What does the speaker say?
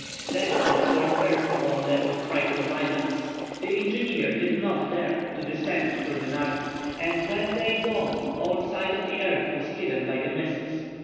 Then the storm burst upon them with frightful violence. The engineer did not dare to descend during the night, and when day dawned all sight of the earth was hidden by the mists.